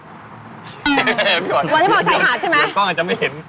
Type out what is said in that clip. พี่บอลวันที่บอกสายหาดใช่มั้ยเครื่องกล้องอาจจะไม่เห็น